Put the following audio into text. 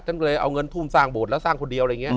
ฉันเลยเอาเงินทุ่มสร้างโบสถ์แล้วสร้างคนเดียว